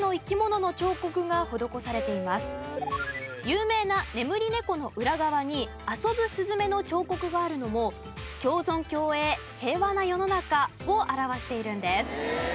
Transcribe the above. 有名な眠り猫の裏側に遊ぶ雀の彫刻があるのも共存共栄平和な世の中を表しているんです。